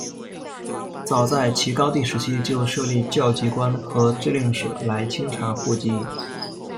早在齐高帝时期就设立校籍官和置令史来清查户籍。